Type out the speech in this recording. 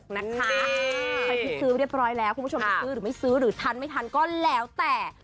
ใครที่ซื้อเรียบร้อยแล้วคุณผู้ชมจะซื้อหรือไม่ซื้อหรือทันไม่ทันก็แล้วแต่